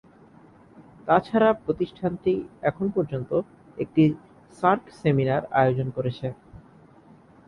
তাছাড়াও প্রতিষ্ঠানটি এখন পর্যন্ত একটি সার্ক সেমিনার আয়োজন করেছে।